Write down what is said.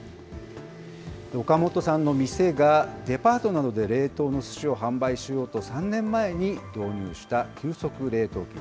岡本さんの店が、デパートなどで冷凍のすしを販売しようと３年前に導入した急速冷凍機。